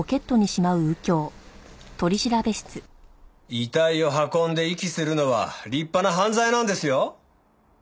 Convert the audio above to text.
遺体を運んで遺棄するのは立派な犯罪なんですよ。